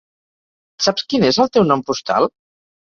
Saps quin és el teu nom postal?